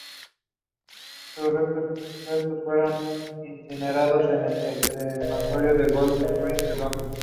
Sus restos fueron incinerados en el Crematorio de Golders Green de Londres.